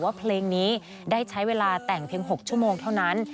เพลงนี้ได้ใช้เวลาแต่งเพียง๖ชั่วโมงเท่านั้น